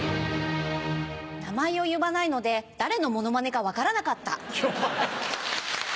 名前を言わないので誰のモノマネか分からなかった。